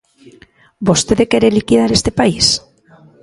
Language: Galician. ¿Vostede quere liquidar este país?